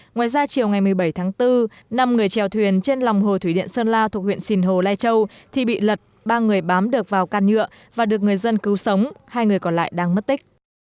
ngoài ra chiều ngày một mươi bảy tháng bốn năm người trèo thuyền trên lòng hồ thủy điện sơn la thuộc huyện sìn hồ lai châu thì bị lật ba người bám được vào can nhựa và được người dân cứu sống hai người còn lại đang mất tích